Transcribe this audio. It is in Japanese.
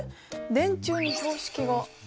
電柱に標識が。